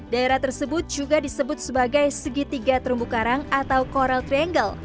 daerah tersebut juga disebut sebagai segitiga terumbu karang atau coral triangle